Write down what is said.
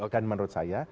dan menurut saya